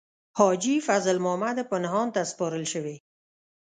حاجي فضل محمد پنهان ته سپارل شوې.